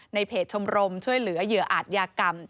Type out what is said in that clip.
เพจชมรมช่วยเหลือเหยื่ออาจยากรรม